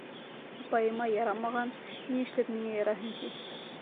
Апайыма ярамаған, ни эшләп миңә яраһын, ти?